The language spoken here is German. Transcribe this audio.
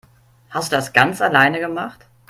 Hast du das ganz alleine gemacht?